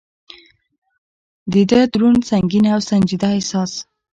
د ده دروند، سنګین او سنجیده احساس.